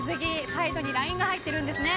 サイドにラインが入ってるんですね。